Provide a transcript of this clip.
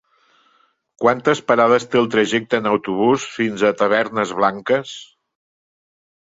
Quantes parades té el trajecte en autobús fins a Tavernes Blanques?